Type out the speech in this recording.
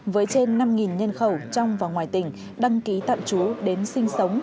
với trên năm nhân khẩu trong và ngoài tỉnh đăng ký tạm trú đến sinh sống